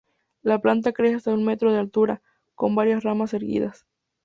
La planta crece hasta un metro de altura, con varias ramas erguidas.